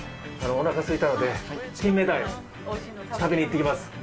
おなか空いたのでキンメダイ食べに行ってきます。